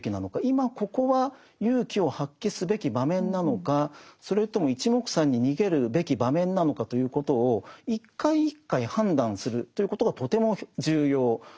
今ここは勇気を発揮すべき場面なのかそれともいちもくさんに逃げるべき場面なのかということを一回一回判断するということがとても重要なわけですね。